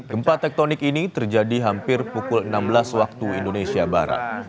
gempa tektonik ini terjadi hampir pukul enam belas waktu indonesia barat